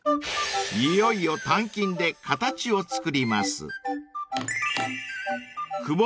［いよいよ鍛金で形を作ります］